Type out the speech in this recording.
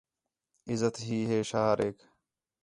عزت ہی ہے شہریک